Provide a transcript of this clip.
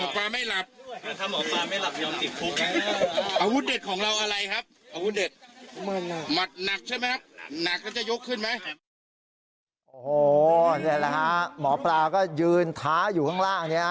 นี่แหละฮะหมอปลาก็ยืนท้าอยู่ข้างล่างนี้